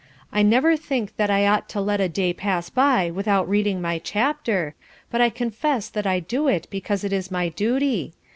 I never think that I ought to let a day pass by without reading my chapter, but I confess that I do it because it is my duty.